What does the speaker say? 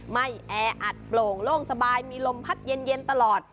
ไม่แอดปลงโล่งสบายมีลมพัดเย็นเย็นตลอด